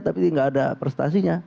tapi nggak ada prestasinya